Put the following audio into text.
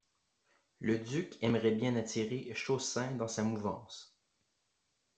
Le duc aimerait bien attirer Chaussin dans sa mouvance.